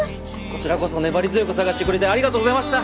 こちらこそ粘り強く探してくれてありがとうございました。